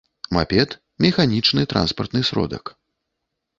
мапед — механічны транспартны сродак